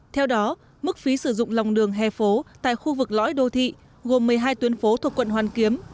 theo đó mức phí sử dụng lòng đường hè phố tại khu vực lõi đô thị gồm một mươi hai tuyến phố thuộc quận hoàn kiếm